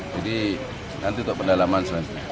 jadi nanti untuk pendalaman selanjutnya